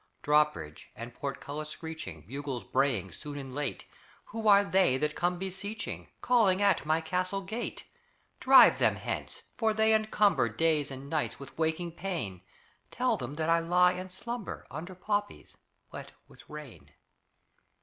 Drawbridge and portcullis screeching, Bugles braying soon and late; Who are they that come beseeching, Calling at my castle gate? Drive them hence, for they encumber Days and nights with waking pain; Tell them that I lie and slumber Under poppies, wet with rain.